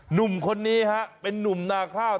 หนุ่มคนนี้ฮะเป็นนุ่มนาข้าว